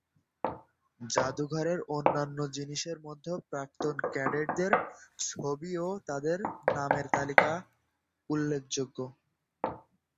জাদুঘরের অন্যান্য জিনিসের মধ্যে প্রাক্তন ক্যাডেটদের ছবি ও তাদের নামের তালিকা উল্লেখযোগ্য।